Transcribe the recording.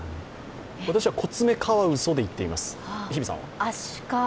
私はコツメカワウソでいきます。